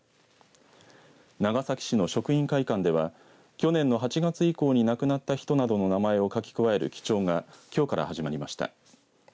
長崎市の職員会館では去年の８月以降に亡くなった人などの名前を書き加える記帳がきょうから始まりました。